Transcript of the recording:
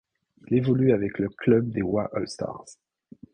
Il évolue avec le club des Wa All Stars.